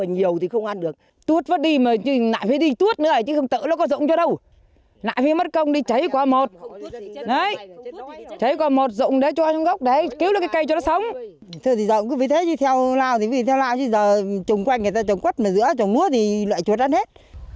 thứ thì rụng cứ như thế theo lao thì theo lao chứ giờ trồng quanh người ta trồng quất mà giữa trồng mua thì loại chuột ăn hết